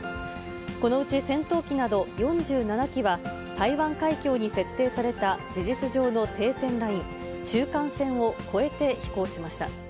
このうち戦闘機など４７機は、台湾海峡に設定された事実上の停戦ライン、中間線を越えて飛行しました。